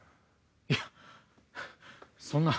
いやそんな！